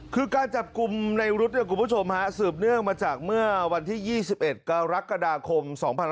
คือการจับกลุ่มในรุ๊ดเนี่ยคุณผู้ชมฮะสืบเนื่องมาจากเมื่อวันที่๒๑กรกฎาคม๒๕๖๒